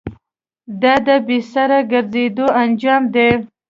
دا د بې سره گرځېدو انجام دی.